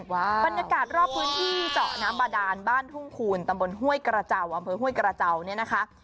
บรรยากาศรอบพื้นที่เจาะน้ำบาดานบ้านทุ่งคูณตำบลห้วยกระเจ้าอำเภอห้วยกระเจ้าเนี่ยนะคะ